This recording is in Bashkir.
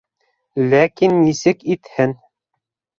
Ләкин нисек итһен!